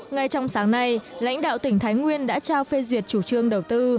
ngay trong sáng nay lãnh đạo tỉnh thái nguyên đã trao phê duyệt chủ trương đầu tư